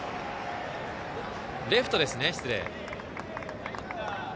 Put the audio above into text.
レフトですね、失礼。